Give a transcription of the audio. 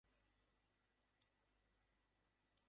তিনি নাইটহুড এবং ব্যারনেটের খেতাব উভয়ই প্রত্যাখ্যান করেছিলেন।